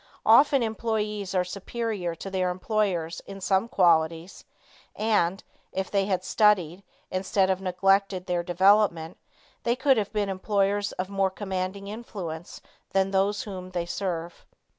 Often employees are superior to their employers in some qualities, and, if they had studied, instead of neglected their development, they could have been employers of more commanding influence than those whom they serve.